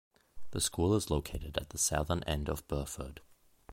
The school is located at the southern end of Burford.